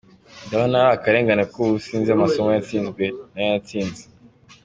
Ndabona ari akarengane kuko ubu sinzi amasomo natsinze n’ayo natsinzwe.